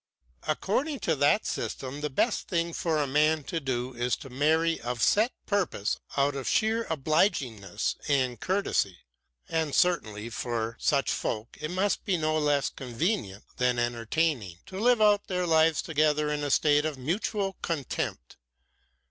According to that system the best thing for a man to do is to marry of set purpose out of sheer obligingness and courtesy. And certainly for such folk it must be no less convenient than entertaining, to live out their lives together in a state of mutual contempt.